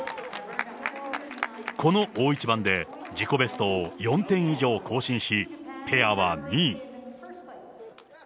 この大一番で自己ベストを４点以上更新し、ペアは２位。